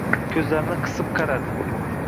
Ko‘zlarini qisib qaradi.